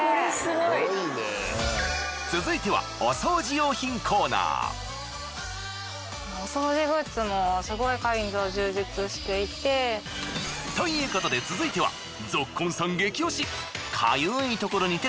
続いてはということで続いては。